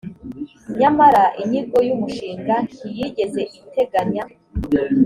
nyamara inyigo y’ umushinga ntiyigeze iteganya